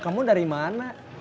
kamu dari mana